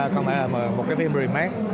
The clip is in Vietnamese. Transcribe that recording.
không phải là một cái phim remake